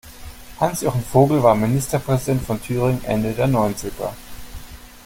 Hans-Jochen Vogel war Ministerpräsident von Thüringen Ende der Neunziger.